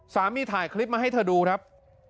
ถ่ายคลิปมาให้เธอดูครับ